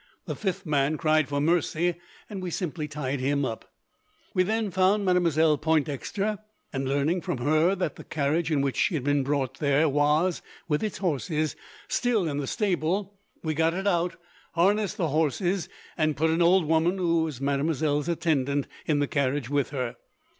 The fifth man cried for mercy, and we simply tied him up. "We then found Mademoiselle Pointdexter, and, learning from her that the carriage in which she had been brought there was, with its horses, still in the stable, we got it out, harnessed the horses, and put an old woman who was mademoiselle's attendant in the carriage with her.